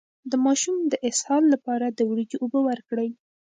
د ماشوم د اسهال لپاره د وریجو اوبه ورکړئ